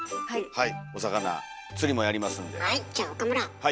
はい。